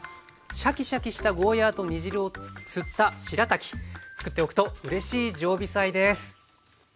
シャキシャキしたゴーヤーと煮汁を吸ったしらたきつくっておくとうれしい常備菜です。